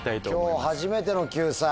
あら今日初めての救済。